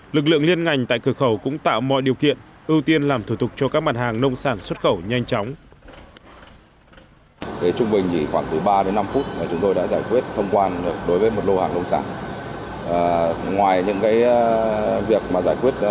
lực lượng liên ngành tại cửa khẩu cũng tạo mọi điều kiện ưu tiên làm thủ tục cho các mặt hàng nông sản xuất khẩu nhanh chóng